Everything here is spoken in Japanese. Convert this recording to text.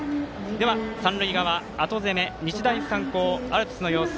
三塁側、後攻め日大三高、アルプスの様子